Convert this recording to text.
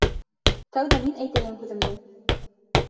Тәүҙә мин әйтәйем һүҙемде.